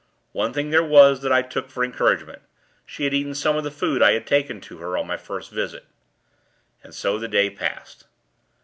One thing there was that I took for encouragement: she had eaten some of the food I had taken to her, on my first visit. And so the day passed.